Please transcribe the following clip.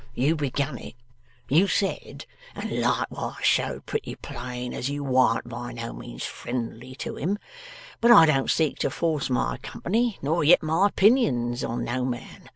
You begun it. You said, and likeways showed pretty plain, as you warn't by no means friendly to him. But I don't seek to force my company nor yet my opinions on no man.